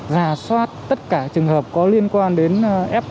giả soát tất cả trường hợp có liên quan đến f f một f hai